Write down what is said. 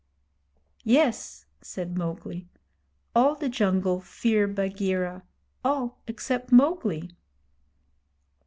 'Yes,' said Mowgli;' all the jungle fear Bagheera all except Mowgli.'